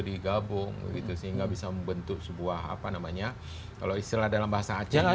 digabung sehingga bisa membentuk sebuah apa namanya kalau istilah dalam bahasa aceh